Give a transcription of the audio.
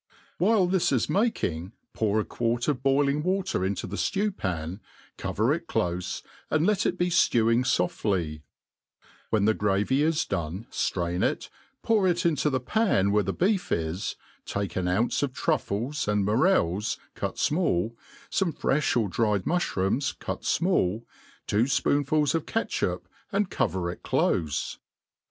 While this is making, pour a quart of boiling water into the ftew*pan, cover it clofe, a^id let it be ftewing (ofrly ; when the gravy is done, ftrain it, p^uf it into the pan where the beef is,^ take an ounce of trufBes aiid morels cut fmall, fome frefh or dried mufhrooms cut fmall^ two fpoonfuls of catchup, and cover it dole.